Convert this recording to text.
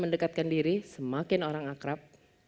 mendekatkan diri semakin orang akrab